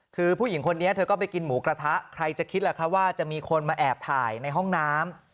คือผู้หญิงคนนี้เธอก็ไปกินหมูกระทะใครจะคิดแหละครับว่าจะมีคนมาแอบถ่ายในห้องน้ำ